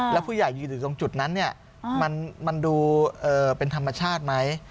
แล้วผู้ใหญ่ยืนอยู่ตรงจุดนั้นมันดูเป็นธรรมชาติไหม